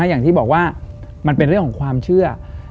อย่างที่บอกว่ามันเป็นเรื่องของความเชื่อ